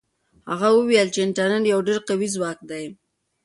هغه وویل چې انټرنيټ یو ډېر قوي ځواک دی.